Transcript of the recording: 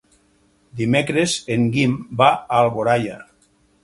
Dimecres en Guim va a Alboraia.